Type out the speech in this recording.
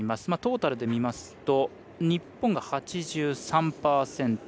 トータルで見ますと日本が８３％。